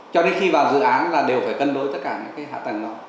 cho đến khi vào dự án là đều phải cân đối tất cả những cái hạ tầng đó